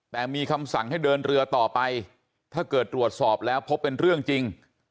แต่มีคำสั่งให้เดินเรือต่อไปถ้าเกิดตรวจสอบแล้วพบเป็นเรื่องจริง